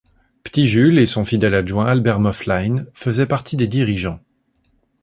P’tit Jules et son fidèle adjoint Albert Moffelein, faisaient partie des dirigeants.